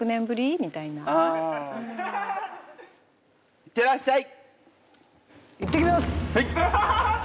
いってらっしゃい！